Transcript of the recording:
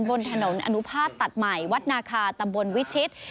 บนถนนอนุภาษณ์ตัดใหม่วัดนาคาตำบลวิชิต